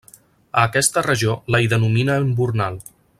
A aquesta regió la hi denomina embornal.